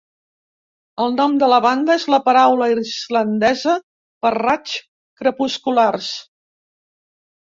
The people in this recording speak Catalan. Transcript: El nom de la banda és la paraula Islandesa per raigs crepusculars.